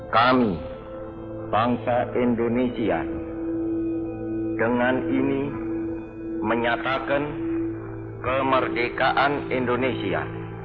kami bangsa indonesia dengan ini menyatakan kemerdekaan indonesia